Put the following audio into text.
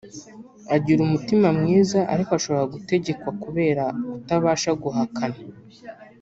agira umutima mwiza ariko ashobora gutegekwa kubera kutabasha guhakana